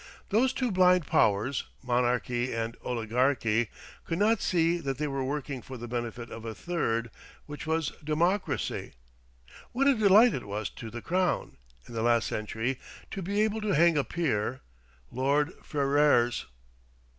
Those two blind powers, monarchy and oligarchy, could not see that they were working for the benefit of a third, which was democracy. What a delight it was to the crown, in the last century, to be able to hang a peer, Lord Ferrers!